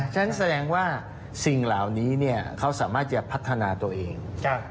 ฉะนั้นแสดงว่าสิ่งเหล่านี้เขาสามารถจะพัฒนาตัวเอง